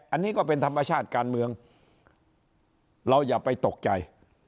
อันนี้ก็เป็นธรรมชาติการเมืองเราอย่าไปตกใจ